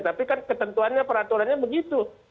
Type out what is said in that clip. tapi kan ketentuannya peraturannya begitu